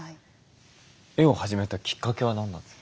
絵を始めたきっかけは何なんですか？